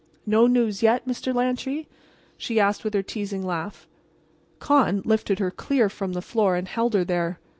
"No news yet, Mr. Lantry?" she asked with her teasing laugh. Con lifted her clear from the floor and held her there.